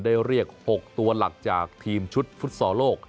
เรียก๖ตัวหลักจากทีมชุดฟุตซอลโลก